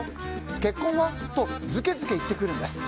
結婚は？とずけずけ言ってくるんです。